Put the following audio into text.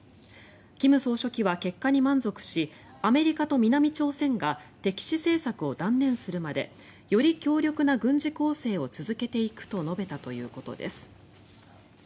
金総書記は結果に満足しアメリカと南朝鮮が敵視政策を断念するまでより強力な軍事攻勢を続けていくと述べたということです。